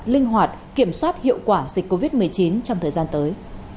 linh hoạt kiểm soát hiệu quả dịch covid một mươi chín trong thời gian tới